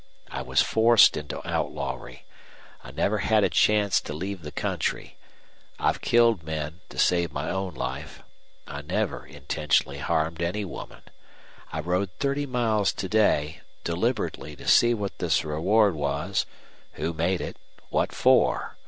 I was forced into outlawry. I've never had a chance to leave the country. I've killed men to save my own life. I never intentionally harmed any woman. I rode thirty miles to day deliberately to see what this reward was, who made it, what for.